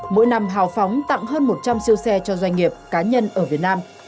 mỗi năm hào phóng tặng hơn một trăm linh siêu xe cho doanh nghiệp cá nhân ở việt nam